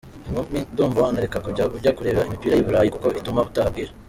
Inkumi : Ndumva wanareka kujya ujya kureba imipira y’i Burayi kuko ituma utaha bwije.